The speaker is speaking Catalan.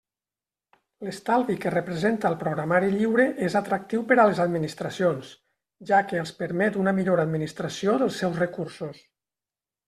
L'estalvi que representa el programari lliure és atractiu per a les administracions, ja que els permet una millor administració dels seus recursos.